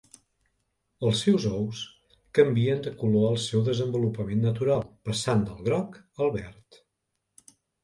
Els seus ous canvien de color al seu desenvolupament natural passant del groc al verd.